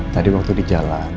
tadi waktu di jalan